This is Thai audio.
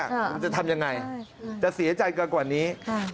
มันจะทำยังไงจะเสียใจเกินกว่านี้